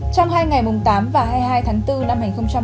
trong hai ngày tám và hai mươi hai tháng bốn năm hai nghìn một mươi bảy